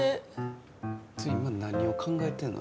ちょ今何を考えてんの？